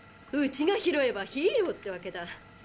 うちが拾えばヒーローってわけだ。